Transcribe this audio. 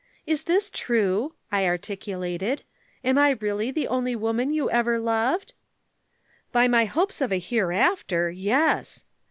"'Is this true?' I articulated. 'Am I really the only woman you ever loved?' "'By my hopes of a hereafter, yes!'